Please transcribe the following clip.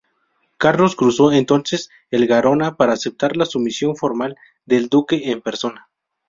Carlos cruzó entonces el Garona para aceptar la sumisión formal del duque en persona.